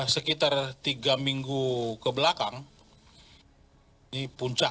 sekitar tiga minggu ke belakang ini puncak